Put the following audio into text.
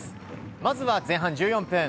まずは前半１４分。